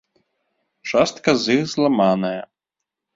Частка з іх зламаная.